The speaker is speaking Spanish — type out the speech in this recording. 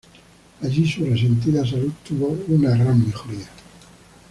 Allí su resentida salud tuvo una gran mejoría.